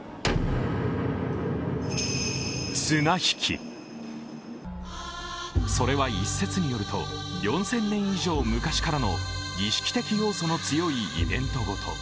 綱引き、それは一説によると、４０００年以上昔からの儀式的要素の強いイベントごと。